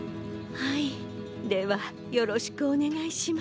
はいではよろしくおねがいします。